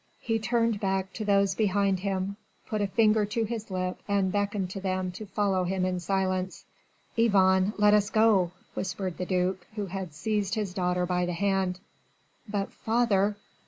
He turned back to those behind him, put a finger to his lip and beckoned to them to follow him in silence. "Yvonne, let us go!" whispered the duc, who had seized his daughter by the hand. "But father...."